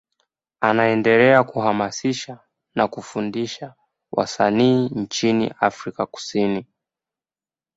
Anaendelea kuhamasisha na kufundisha wasanii nchini Afrika Kusini.